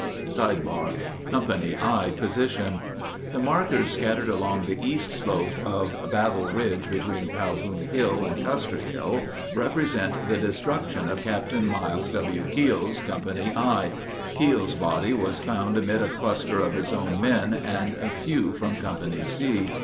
© Company I Position The markers scattered along the east slope of Battle Ridge between Calhoun Hill and Custer Hill represent the destruction of Capt. Myles W. Keogh's Company I. Keogh's body was found amid a cluster of his own men and a few from Company C.